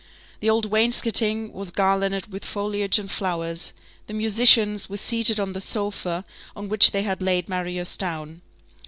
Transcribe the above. The old wainscoting was garlanded with foliage and flowers; the musicians were seated on the sofa on which they had laid Marius down.